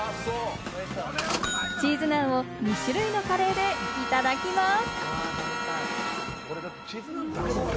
チーズナンを２種類のカレーでいただきます。